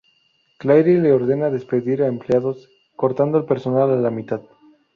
Claire le ordena despedir a empleados, cortando el personal a la mitad.